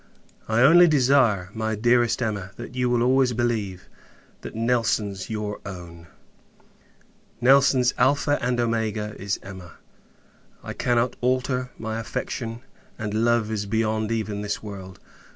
I only desire, my dearest Emma, that you will always believe, that Nelson's your own; Nelson's Alpha and Omega is Emma! I cannot alter; my affection and love is beyond even this world!